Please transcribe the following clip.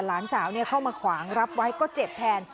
หลานสาวเข้ามาขวางรับไว้ก็เจ็บแทน